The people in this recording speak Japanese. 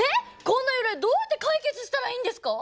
こんな依頼どうやって解決したらいいんですか？